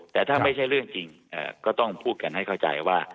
แต่ถ้าไม่ใช่เรื่องจริงก็ต้องพูดกันให้เข้าใจว่า